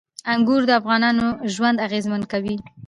انګور د افغانانو ژوند اغېزمن کوي.